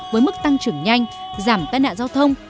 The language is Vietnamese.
với mức tăng trưởng nhanh giảm tai nạn giao thông